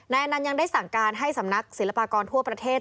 อนันต์ยังได้สั่งการให้สำนักศิลปากรทั่วประเทศ